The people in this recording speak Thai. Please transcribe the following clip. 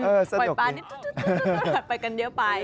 ปล่อยปลานิดไปกันเยอะไป